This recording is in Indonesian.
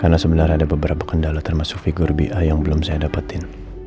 karena sebenarnya ada beberapa kendala termasuk figur biaya yang belum saya dapetin